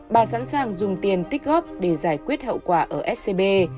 bà sẵn sàng dùng tiền tích góp để giải quyết hậu quả ở scb